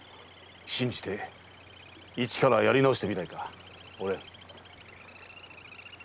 信じて一からやり直してみないかお蓮。